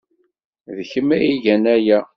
D kemm ay igan aya!